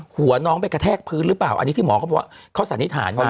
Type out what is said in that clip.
หัวน้องไปกระแทกพื้นหรือเปล่าอันนี้ที่หมอเขาบอกว่าเขาสันนิษฐานมา